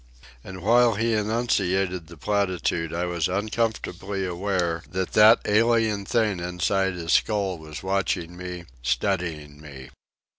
And while he enunciated the platitude I was uncomfortably aware that that alien thing inside his skull was watching me, studying me.